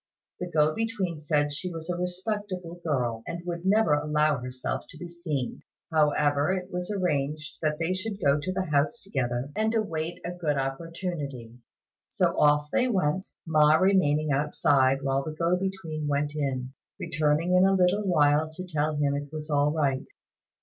The go between said she was a respectable girl, and would never allow herself to be seen; however it was arranged that they should go to the house together, and await a good opportunity. So off they went, Ma remaining outside while the go between went in, returning in a little while to tell him it was all right.